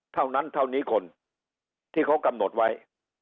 เท่านั้นเท่านี้คนที่เขากำหนดไว้